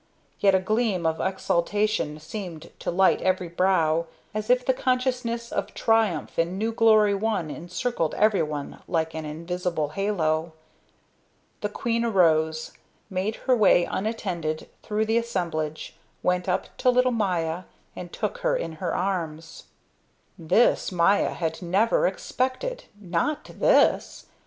Yet a gleam of exaltation seemed to light every brow as if the consciousness of triumph and new glory won encircled everyone like an invisible halo. The queen arose, made her way unattended through the assemblage, went up to little Maya and took her in her arms. This Maya had never expected, not this.